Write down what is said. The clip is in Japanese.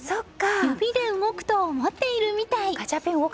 指で動くと思っているみたい！